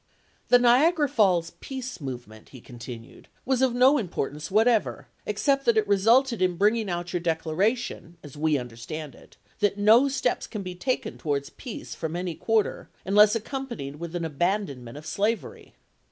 "The Niagara Falls ' peace ' movement," he continued, " was of no importance whatever, except that it resulted in bringing out your declaration, as we understand it, that no steps can be taken towards peace from any quarter, unless accompanied with an abandonment of slavery.